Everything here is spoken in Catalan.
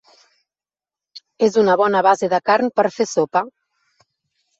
És una bona base de carn per fer sopa.